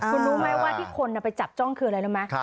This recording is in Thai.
คุณรู้ไหมว่าที่คนไปจับจ้องคืออะไรรู้ไหม